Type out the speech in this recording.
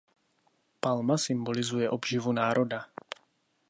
Palma symbolizuje obživu národa.